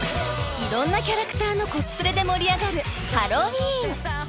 いろんなキャラクターのコスプレで盛り上がるハロウィーン。